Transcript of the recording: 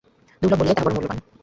দুর্লভ বলিয়াই তাহা বড় মূল্যবান।